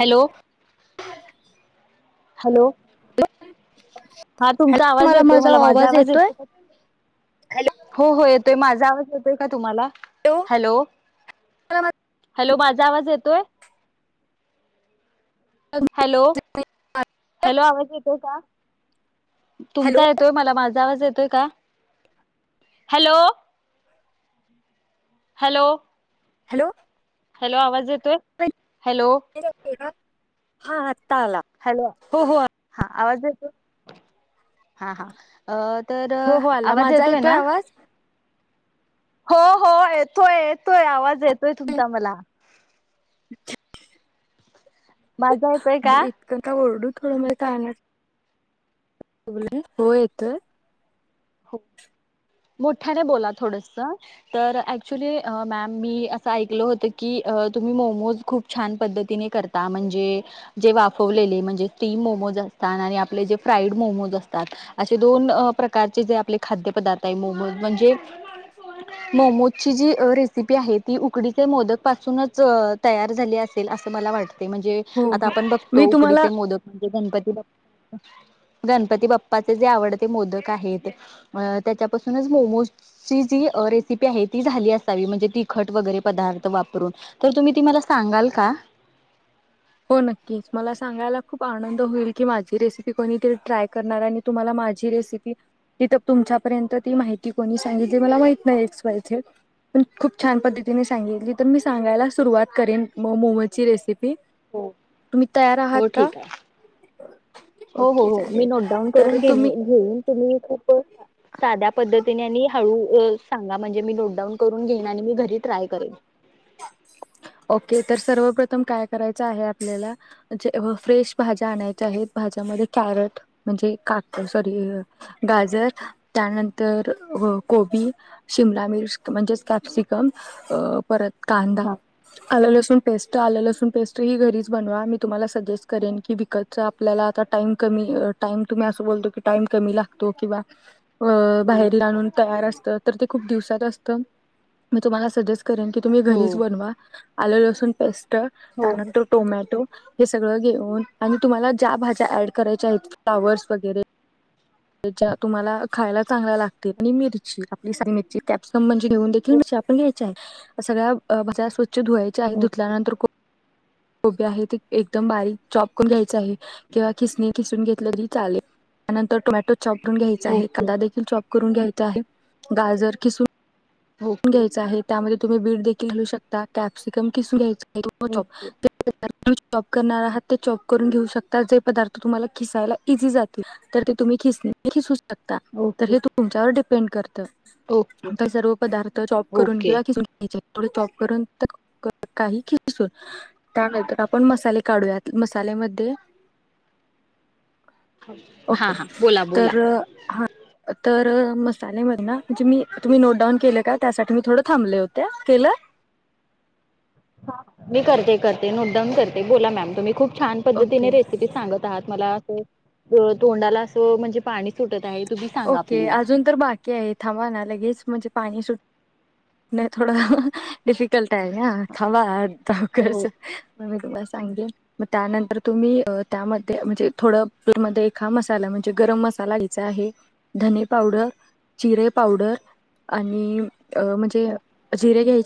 Hello? Hello? हां तुमचा आवाज येतोय मला माझा आवाज येतोय का? हो हो ये ते माझा आवाज येतोय का तुम्हाला? हॅलो? मला हॅलो मा झा आवाज येतोय? माझा- हॅलो? हॅलो आवाज येतोय का? हॅलो तुमचा येतोय मला मा झा आवाज येतोय का? हॅलो? हॅलो? हॅलो? हॅलो आवाज ये [inaudible] हां आ हॅलो? हां आवाज ये हां हां अ तर हो हो आला आवाज माझा येतोय ना? आवाज हो हो येतोय येतोय आवाज येतोय तुमचा मला. [inaudible] माझा येतोय का? इतकं का ओरडू थोडं [unintelligible] हो येतोय. मोठ्याने बोला थोड तर ऍक्च्युली मॅम मी असं ऐकल होत की तुम्ही मोमोज खूप छान पद्धतीने करता म्हणजे जे वाफवलेले म्हणजे स्टीम मोमोज असतात आणि आपले जे फ्राईड मोमोज असतात असे दोन प्रकार जे आपले खाद्य पदार्थ आहे मोमोज म्हणजे मोमोजची जी रेसिपी आहे ती उकडीचे मोदक पासूनच तयार झाली असेल असं मला वाटत ते म्हणजे हो आता हो आपण बघतो मी तुम्हाला उकडीचे मोदक म्हणजे गणपती गणपती बाप्पाचे जे आवडते मोदक आहेत त्याच्यापासूनच मोमोजची जी रेसिपी आहे ती झाली असावी म्हणजे तिखट वगैरे पदार्थ वापरून तर तुम्ही ती मला सांगाल का हो नक्कीच मला सांगायला खूप आनंद होईल की माझी रेसिपी कोणी तरी ट्राय करणार आणि तुम्हाला माझी रेसिपी तथ तुमच्यापर्यंत ती माहिती कोणी सांगितली मला माहित नाही. एक्स वाय झेड पण खूप छान पद्धतीने सांगितली तर मी सांगायला सुरुवात करेन मोमोजची रेसिपी तुम्ही तयार आहात हो का ठीक आहे हो हो ओके हो मी चालेल नोटडाऊन तर करून घेइन तुम्ही घेऊन तुम्ही खूप साध्या पद्धतीने आणि हळू सांगा म्हणजे मी नोटडाऊन करून घेइन आणि मी घरी ट्राय करेन ओके तर सर्व प्रथम उतम काय करायचं आहे आपल्याला जे फ्रेश भाज्या आणायच्या आहेत भाज्यामध्ये कॅरेट म्हणजे काक सॉरी गाजर त्यानंतर तर कोबी शिमला मिर्च म्हणजेच कॅप्सिकम अ परत कांदा हा आल लसूनण पेस्ट आल लसूण पेस्ट घरीच बनवा मी तुम्हाला सजेस्ट करेन की विकत आपल्याला टाइम कमी अस बोलतो की टाइम कमी लागतो किंवा अ बाहेर ला आणून तयार असत तर ते खूप दिवसात असतं मी तुम्हाला सजेस्ट करेन की तुम्ही घरीच हो बनवा आल लसूण पेस्ट हो त्यानंतर टोमॅटो हे सगळं घेऊन आणि तुम्हाला ज्या भाज्या ऍड करायच्या आहेत फ्लाॉवर्स वगैरे ज्या तुम्हाला खायला चांगल्या लागतील आणि मिरची आपली स मिरची कॅप्सिकम म्हणजे घेऊन देखील मिर आपण घ्यायची आहे सगळ्याज्या स्वछ धुवायचे आहे ओके धुल्यानंतर कोबी आहे ते एकदम बारीक चॉप करून घ्यायचे आहे किंवा खिसणी खिसून घेतलेली चाले त्यानंतर टोमॅटो चॉप करून घ्यायचा आहे ओके कांदा देखील चॉप करून घ्याय झाले गाजर किसून ओके घ्यायच आहे त्यामुळे.. तुम्ही बी देखील घलऊ शकता. कॅप्सिकम ख ओके चप करणार आहात चॉप करून घेऊ शकता जे पदार्थ तुम्हाला खियला इी जातील तर ते तुम् तर ओके हे तू तुमच्यावर स्पेंड करतय ओके ओके [unintelligible] त्यानंतर आपण मसाले काढुया हा हा बोला बोला. हा तर मसाले मधन ना म्हणजे मी तुम्ही नोट डाऊन केले का? त्यासाठी मी थोडं थांबले होते, केलं? ह, मी करते-करते नोटडाऊन करते. बोला मॅम, तुम्ही खूप - छान पद्धतीने, ओके रेसिपी सांगत आहात. मला अस तोंडाला पाणी सुटत आहे तुम्ही सांगा ओके, प्लीज अजून तर बाकी आहे. थांबा ना, लगेच म्हणजे? पाणी सुटन थोड [unintelligible] हो [unintelligible] धने पावडर, जिरे पावडर आणि... हो [unintelligible]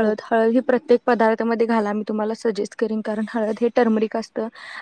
ओ ओ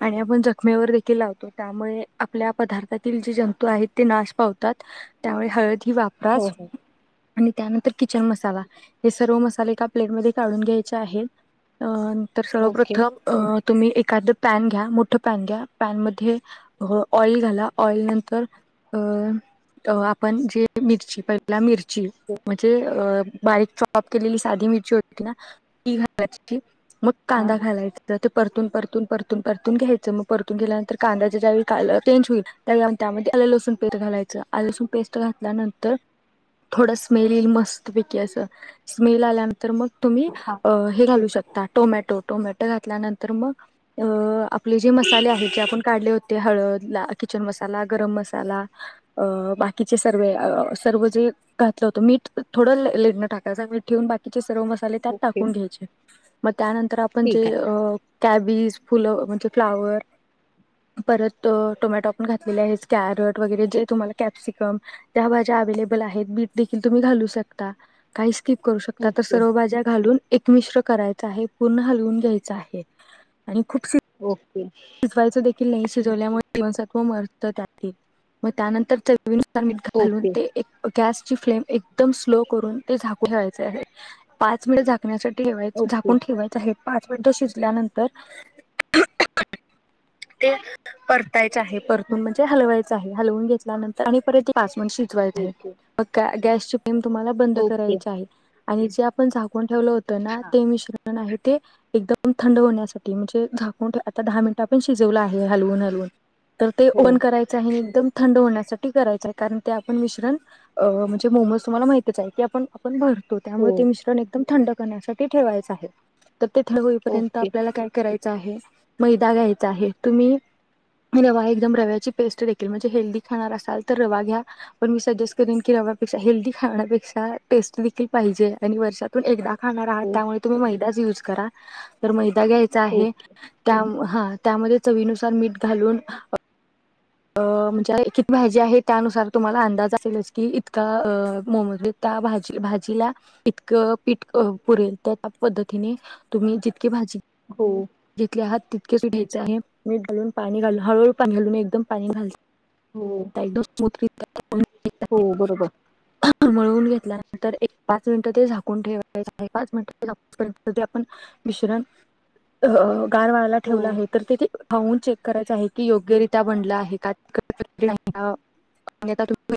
आणि आपण जखमेवर देखील लावतो. त्यामुळे आपल्या पदार्थातील जे जंतू आहेत ते नाश पावतात त्यामुळे हळद... ती हो वापराच. हो [unintelligible] तर ओके सर्वप्रथम, तुम्ही एक - [unintelligible] ओके [unintelligible] हां [unintelligible] तर ते परतून परतून परतून तुम परतून घ्यायचा मग परतून गेल्यानंतर कांद्याच्या ज्यावेळेस कलर चेंज होईल त्यानंतर आलं लसूण पेस्ट घालायचं आलं लसूण पेस्ट घातल्यानंतर मग तुम्ही हां हे घालू शकता टोमॅटो, टोमॅटो घातल्यानंतर मग आपले जे मसाले आहेत ते आपण काढले होते ला हळदला किचन मसाला गरम मसाला बाकीचे सर्व जे घातलं होतं ते मीठ थोडं लेट टाकायचं मीठ ठेवून बाकी ते सर्व मसाले त्यात ओके टाकून घ्यायचे. मग त्यानंतर आपण ठीक जे... अ कॅबीज- फुलं म्हणजे फ्लावर परत टोमॅटो आपण घातलेले कॅरेट वगैरे जे तुम्हाला कॅप्सिकम त्या माझ्या अवेलेबल आहेत बीट देखील तुम्ही घालू शकता. काही स्किप करू आहे शकता, तर ओके सर्व भाज्या घालून - एकमिश्र करायचा आहे. पूर्ण हलवून घ्यायच आहे. आणि खूपशी हो. शिजवायचं देखील नाही शिजवल्यामुळे जीवनसत्व हो मरत त्या मग त्यानंतर चवीनुसार मीठ घालून ओके ते एक गॅस ची फ्लेम एकदम स्लो करून ते झाकून ठेवायचे आहे पाच मिनिट झा झाकण्यासाठी ठेवायचं.. ओके झाकून ठेवायच आहे. पाच मिनटं शिजल्यानंतर ते परतायच आहे परतून म्हणजे हलवायच हलवून घेतल्यानंतर आणि परत पाच मिनिट मग शिजवायचा आहे ओके मग काय गॅसची तुम्हाला बंद ओके करायच आहे. आणि जे आपण झाकून ठेवलं होतं ना ते मिश्रण एकम थंड होण्यासाठी म्हणजे झाकून आता दहा मिनिट आपण शिकवलं आहे हलवून हलवून. तर ते हो ओपन करायचं आहे एकदम थंड होण्या साठी करायचं कारण ते आपण मिश्रण अ म्हणजे मोमोज तुम्हाला माहितच आहे ते आपण आपण भर तो हो त्यामुळे ते मिश्रण एकदम थंड करण्यासाठी ठेवायचं आहे. तर ते थंड होईपर्यंत ओके आपल्याला काय कराय चं आहे. मैदा घ्यायचा आहे. तुम्ही रवा एकदम रव्याची पेस्ट देखील म्हणजे हेल्दी खाणार असाल तर रवा घ्या. पण मी सजेस्ट करेन की रव्यापेक्षा हेल्दी खाण्यापेक्षा टेस्ट देखील पाहिजे आणि वर्षातून एकदा खाणार आहात हो त्यामुळे तुम्ही मैदाच यूज करा तर मै दा घ्यायचा आहे. ओके [unintelligible] हां त्यामध्ये चवीनुसार मीठ घालून अ म्हणजे किती भाजी आहे, त्यानुसार तुम्हाला अंदाज असेलच की इतक्या मोमोजला त्या भाजीला इतकं पीठ क पुरेल तर त्या पद्धतीने तुम्ही जितकी भाजी हो घेतले आहात तितकेच घ्यायचं आहे. मीठ घालून पाणी घालून हळूहळू पाणी घालून एकदम पाणी घाल हो [inaudible] हो बरोबर. मळवून घेतल्यानंतर एक पाच मिनिटं ते झाकून ठेवायचं आहे पाच मिनिटं [unintelligible] ते आपण मिश्रण अ गार व्हायला हो ठेवलं आहे तर ते [unintelligible] करायचं आहे की योग्य रित्या बनलं आहे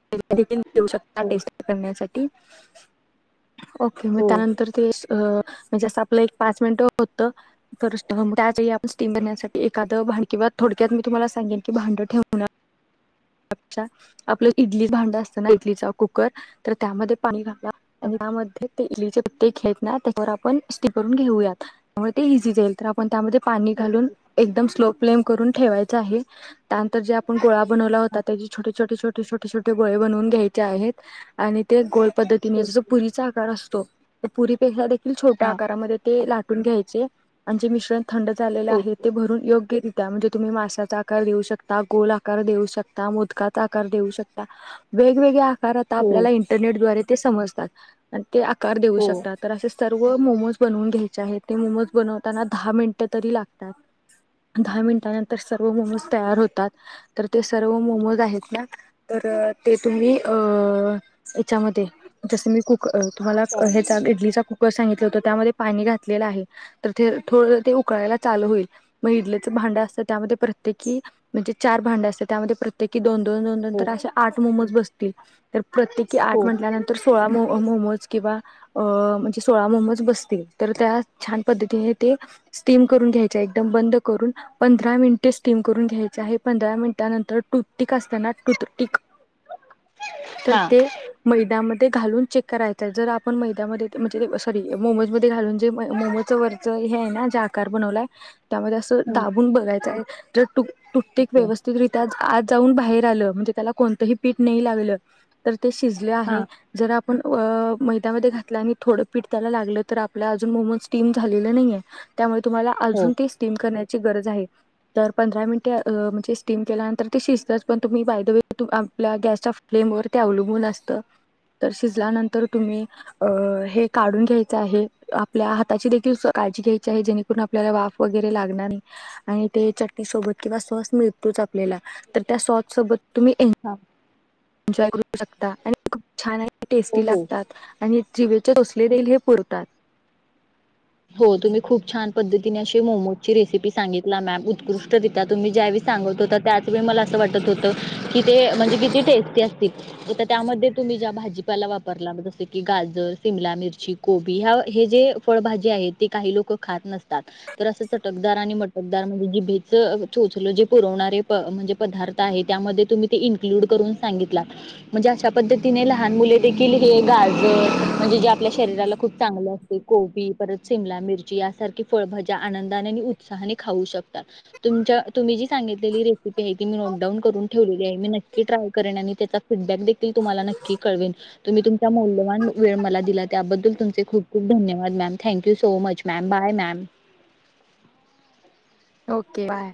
[inaudible] [unintelligible] देऊ शकता हो टेस्ट करण्यासा [inaudible] ओके मग हो त्यानंतर ते अ म्हणजे असं आपलं एक पाच मिनिट होतं [unintelligible] स्टीम बनण्यासाठी एका [unintelligible] किंवा थोडक्यात मी तुम्हाला सांगेन की भांडं ठेवुन [unintelligible] आपलं इडली भांड असतं ना इडलीचा कुकर तर त्यामध्ये पाणी घाला आणि यामध्ये ते [unintelligible] त्याच्यावर आपण स्टीम करून घेऊयात त्यामुळे ते इझी जाईल तर आपण त्यामध्ये पाणी घालून ओके एकदम स्लो प्लेम करून ठेवायचं आहे त्या नंतर जे आपण गोळा बनवला होता. हां त्याचे छोटे छोटे छोटे छोटे छोटे गोळे बनवून घ्यायचे आहेत आणि ते गो पद्धतीने जसं ओके पुरीचा आकार अस तो पुरी पेक्षा एक छोट्या हां आकारामध्ये ते लाटून घ्याय आमचे मिश्रण थंड झालेलं आहे ओके ते भरून योग्य रि त्या मध्ये तुम्ही माश्याचा आकार देऊ शकता गोल आकार देऊ शकता मोदकाचा आकार देऊ शकता वेगवेगळे्या कार आता हो आपल्या इंटरनेटद्वारे ते समजतात पण ते आकार देऊ हो शकतात तर असे सर्व मोमोज बनवून घ्यायचे आहेत ते मोमोज बनवताना दहा मिनट तरी लागतात दहा मिनटानंतर सर्व मोमज तयार होत तात तर ते सर्व मोमोज आहेत ना तर ते तुम्ही अं याच्यामध्ये जसं मी कुकर अं तुम्हाला क चाल- ह्याचा इडलीचा सांगितलं होत त्यामध्ये पाणी घातलेलं आहे तर ते थो ते उकळायला चालू होईल मग इडलीच भांड असतं त्यामध्ये प्रत्येकी म्हणजे चार भांडं असत त्यामध्ये प्रत्येकी दोन दोन दोन हो तर अशे आठ मोमज बस तर प्रत्येकी हो आठ म्हटल्यानंतर सोळा मो मोमोज किंवा अं म्हणजे सोळा मोमोज बसतील तर त्या छान पद्धतीने ते स्टीम करून घ्यायचे एकदम बंद करून पंधरा मिनिटे स्टीम करून घ्याय धा हे पंधरा मिनिटांनंतर टुटीक असताना टूटीक तर हां ते मैदामध्ये ते घालून चेक करायच, जर आपण मैद्यामध्ये म्हणजे सॉरी मोमोज मध्ये घालून जे मोमोच वरच हे आहे ना जे आकार बनवलाय. त्यामध्ये असं हं दाबून बघायचं आहे. जट्टू. कुठक ओके व्यवस्थितरित्या आज. जाऊन बाहेर आल म्हणे त्याला कोणतही पीठ नाही लागलं त ते शिजले हां आहे जरा आपण अ. मैद्यामध्ये घातलं आणि थोडं पिट त्यायला लागलं, तर आपल्या अजून मोमोज स्टीम झालेले नाहीे त्यामुळे. तुम्हाला हो अजून ते स्टीम करण्या गरज आहे तर पंधरा मिन त्या म्हणजे स्टीम केल्यानंतर ते शिजतच पण तुम्ही बायदवे व आपल्या गॅसच्या फ्लेमवरर ते अवलंबून असत, तर शिजल्यानंतर तुम्ही अ हे काढून घ्यायचं आहे, आपल्या हाताची देखील काळजी घ्यायची आहे, जेणेकरून आपल्याला वाफ वगैरे लागणारी आणि ते चटणीसोबत. किंवा सॉस मिळतोच आपल्याला तर त्या सॉस सोबत. तुम्ही. हां एन्जॉय करू शकता आणि खूप छान आहे. हो टेस्टी हो लागतात आणि ज. तोसले देल हे पुरतात [unintelligible] हो तुम्ही खूप छान पद्धतीने अशी मोमोजची रेसिपी सांगितला, मॅम उत्कृष्टिता तुम्ही ज्यावेळी सांगत होता, त्याच वेळी मला असं वाटत होतं की. म्हणजे किती टेस्टी असतील त्यामध्ये तुम्ही ज्या भाजी. पर ज की गाजर सिम मिरची कोबी ह हे जे फळाजी [unintelligible] ते काही लोक खात नतात तर असं चटकदार आणि मटकदार म्हणजे जिभेच चोचल जे पुरवणारे, म्हणजे पदार्थ आहे त्यामध्ये तुम्ही ते इन्क्लूड करून सांगितला, म्हणजे अशा पद्धतीने लहान मुले देखील हे गाजर म्हणजे जे आपल्या शरीराला खूप चांगले असते कोबी. शिमला मिरची यासारखी फळभज्या आनंदाने आणि उत्साहाने खाऊ शकतात तुमच्या. तुम्ही जी सांगितलेली रेसिपी आहे, ती मी नोटडाऊन करून ठेवलेली आहे, मी नक्की ट्राय करेन त्याचा फीडबॅक देखील तुम्हाला नक्की कळवेन तुम्ही. मौल्यवान वेळ मला दिला त्याबद्दल तुमचे खूप खूप धन्यवाद ma'am. Thank you so much ma'am bye ma'am. Okay bye.